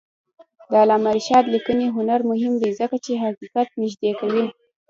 د علامه رشاد لیکنی هنر مهم دی ځکه چې حقیقت نږدې کوي.